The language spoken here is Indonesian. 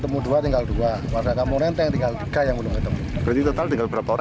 berarti total tinggal berapa orang yang sudah ketemu